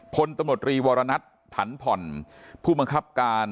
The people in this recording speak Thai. พลตำรวจรีวรณัฐผันผ่อนผู้บังคับการ